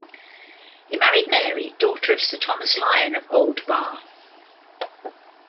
He married Mary, daughter of Sir Thomas Lyon of Auldbar.